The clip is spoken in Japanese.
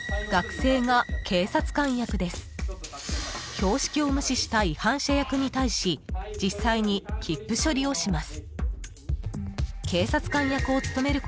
［標識を無視した違反者役に対し実際に切符処理をします］